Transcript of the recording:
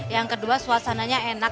yang kedua suasananya enak